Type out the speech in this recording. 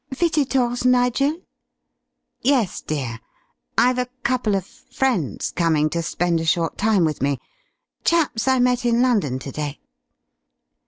"Visitors, Nigel?" "Yes, dear. I've a couple of friends coming to spend a short time with me. Chaps I met in London to day."